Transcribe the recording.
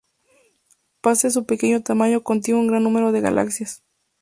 Pese a su pequeño tamaño contiene un gran número de galaxias.